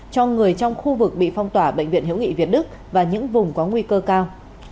cho người trong khu vực bị phong tỏa bệnh viện hữu nghị việt đức và những vùng có nguy cơ cao